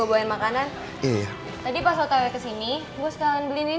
udah baik kan